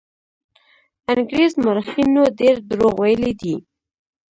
انګرېز مورخینو ډېر دروغ ویلي دي.